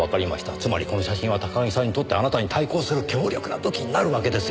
つまりこの写真は高木さんにとってあなたに対抗する強力な武器になるわけですよ。